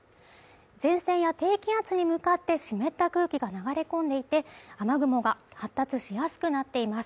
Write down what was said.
前線や低気圧に向かって湿った空気が流れ込んでいて、雨雲が発達しやすくなっています。